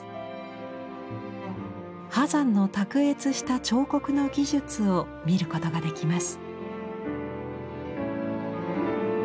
波山の卓越した彫刻の技術を見ることができます。